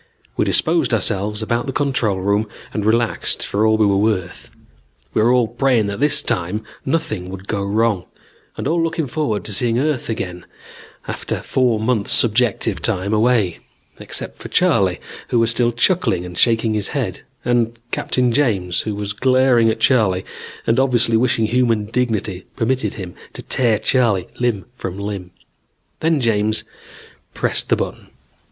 We disposed ourselves about the control room and relaxed for all we were worth. We were all praying that this time nothing would go wrong, and all looking forward to seeing Earth again after four months subjective time away, except for Charley, who was still chuckling and shaking his head, and Captain James who was glaring at Charley and obviously wishing human dignity permitted him to tear Charley limb from limb. Then James pressed the button.